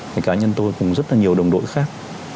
thì cá nhân tôi cùng rất là nhiều đồng đội khác